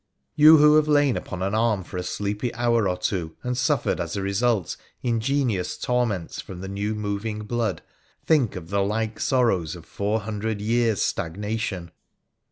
You who have lain upon an arm for a sleepy hour or two and suffered as a result ingenious torments from the new moving blood, think of the like sorrows of four hundred years' stagnation